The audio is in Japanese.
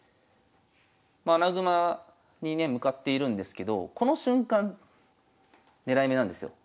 まあ穴熊にね向かっているんですけどこの瞬間狙い目なんですよ。